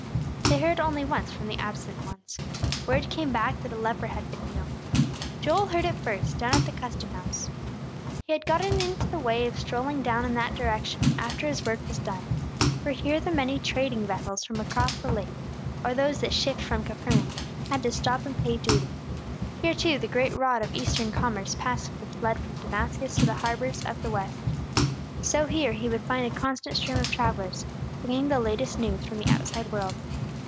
They heard only once from the absent ones. Word came back that a leper had been healed. Joel heard it first, down at the custom house. He had gotten into the way of strolling down in that direction after his work was done; for here the many trading vessels from across the lake, or those that shipped from Capernaum, had to stop and pay duty. Here, too, the great road of Eastern commerce passed which led from Damascus to the harbors of the West. So here he would find a constant stream of travellers, bringing the latest news from the outside world.